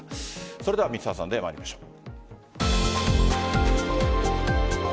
それではＭｒ．サンデーまいりましょう。